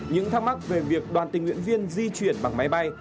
những thắc mắc về việc đoàn tình nguyện viên di chuyển bằng máy bay